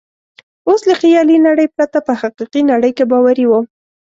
اوس له خیالي نړۍ پرته په حقیقي نړۍ کې باوري وم.